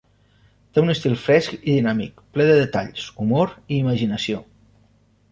Té un estil fresc i dinàmic, ple de detalls, humor i imaginació.